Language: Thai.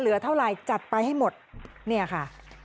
เหลือเท่าไหร่จัดไปให้หมดเนี่ยค่ะ